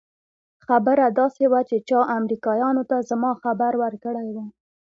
خبره داسې وه چې چا امريکايانو ته زما خبر ورکړى و.